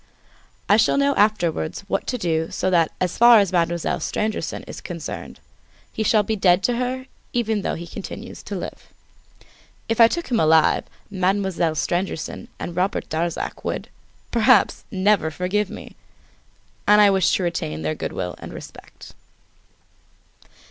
I shall know afterwards what to do so that as far as Mademoiselle Stangerson is concerned he shall be dead to her even though he continues to live. If I took him alive, Mademoiselle Stangerson and Robert Darzac would, perhaps, never forgive me! And I wish to retain their good will and respect.